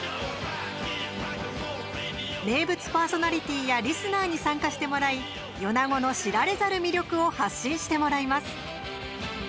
名物パーソナリティーやリスナーに参加してもらい米子の知られざる魅力を発信してもらいます。